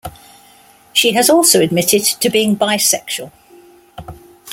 She has also admitted to being bisexual.